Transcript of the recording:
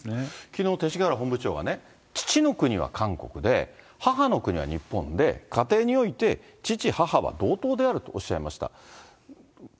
きのう、勅使河原本部長がね、父の国は韓国で、母の国は日本で、家庭において父、母は同等であるとおっしゃいました。